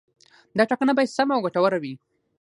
دا ټاکنه باید سمه او ګټوره وي.